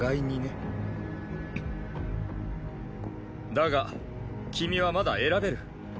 だが君はまだ選べる。